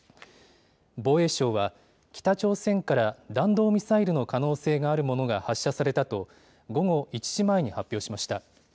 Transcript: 防衛省は北朝鮮から弾道ミサイルの可能性があるものが発射されたと午後１時前に発表しました。